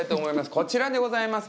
こちらでございます。